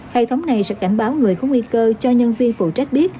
hệ thống này sẽ cảnh báo người có nguy cơ cho nhân viên phụ trách biết